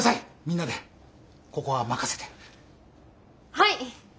はい！